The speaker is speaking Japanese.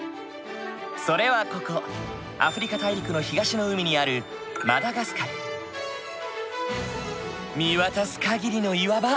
それはここアフリカ大陸の東の海にある見渡す限りの岩場。